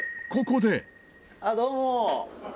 「あっどうも！」